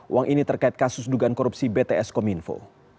uang ini terkait kasus dugaan korupsi bts kominfo